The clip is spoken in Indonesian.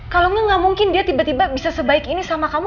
kalau enggak mungkin dia tiba tiba bisa sebaik ini sama kamu